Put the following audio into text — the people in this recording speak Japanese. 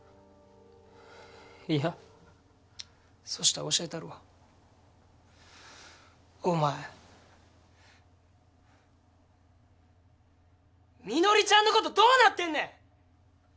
いやそしたら教えたるわお前みのりちゃんのことどうなってんねん！